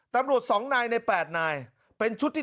ตำรวจ๒นายใน๘นายเป็นชุดที่๓